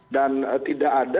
dan tidak ada